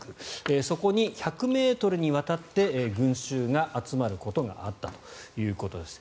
そこに１００ｍにわたって群衆が集まることがあったということです。